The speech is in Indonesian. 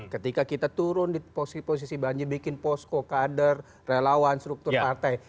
ketika kita turun di posisi banjir bikin posko kader relawan struktur partai